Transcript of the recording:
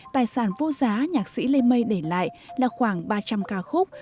tài sản vô giá nhạc sĩ lê mây để lại là khoảng ba trăm linh ca khúc